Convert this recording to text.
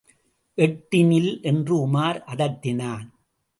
எட்டி நில்! என்று உமார் அதட்டினான்.